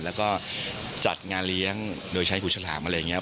แล้วก็จัดงานเลี้ยงโดยใช้หูฉลามอะไรอย่างนี้